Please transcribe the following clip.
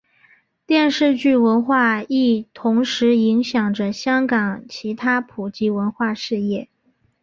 电视剧文化亦同时影响着香港其他普及文化事业。